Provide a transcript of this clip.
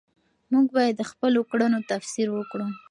موږ باید د خپلو کړنو تفسیر وکړو.